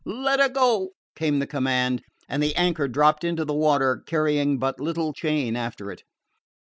"Let 'er go!" came the command, and the anchor dropped into the water, carrying but little chain after it.